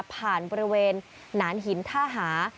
บริเวณหนานหินท่าหา